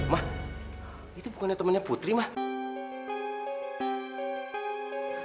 mak itu bukannya temennya putri mak